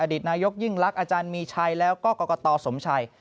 ดิตนายกยิ่งลักษณ์อาจารย์มีชัยแล้วก็กรกตสมชัย